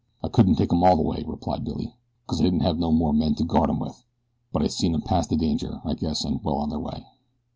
"I couldn't take 'em all the way," replied Billy, "cause I didn't have no more men to guard 'em with; but I seen 'em past the danger I guess an' well on their way."